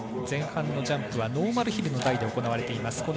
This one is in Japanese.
前半のジャンプはノーマルヒルの台で行われています。